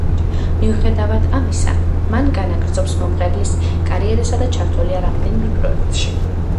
მიუხედავად ამისა, მან განაგრძობს მომღერლის კარიერას და ჩართულია რამდენიმე პროექტში.